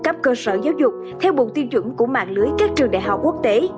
cấp cơ sở giáo dục theo bộ tiêu chuẩn của mạng lưới các trường đại học quốc tế